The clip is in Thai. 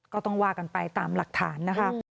ก็ต้องว่ากันไปตามหลักฐานนะคะ